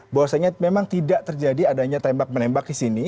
bahwasanya memang tidak terjadi adanya tembak menembak di sini